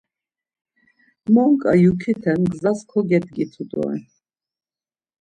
Monǩa yukiten gzas kogedgitu doren.